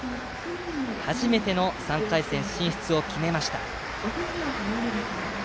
初めての３回戦進出を決めました。